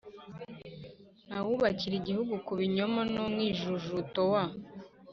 nta wubakira igihugu ku binyoma n'umwijujuto wa